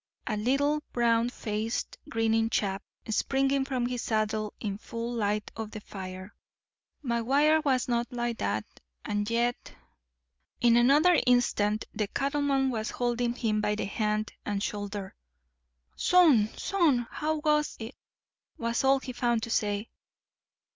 A little, brown faced, grinning chap, springing from his saddle in the full light of the fire. McGuire was not like that, and yet— In another instant the cattleman was holding him by the hand and shoulder. "Son, son, how goes it?" was all he found to say.